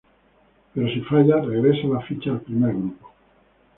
Pero si falla, regresa la ficha al primer grupo.